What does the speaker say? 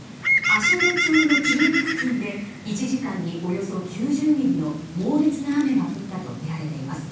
足寄町の中部付近で１時間におよそ９０ミリの猛烈な雨が降ったとみられています。